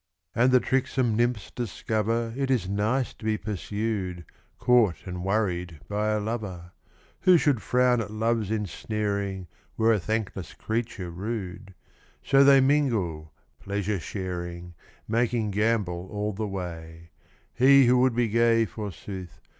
72 And the tricksome nymphs discover It is nice to be pursued, Caught and worried by a lover ; Who should frown at Love's ensnaring Were a thankless creature rude ; So they mingle, pleasure sharing, Making gambol all the way : He who would be gay, forsooth.